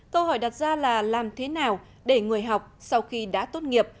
câu hỏi đặt ra là làm thế nào để người học sau khi đã tốt nghiệp